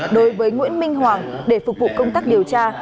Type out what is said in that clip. đối với nguyễn minh hoàng để phục vụ công tác điều tra